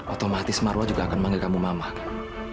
otomatis marwa juga akan manggil kamu mama kan